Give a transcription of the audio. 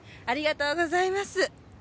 ありがとうございます。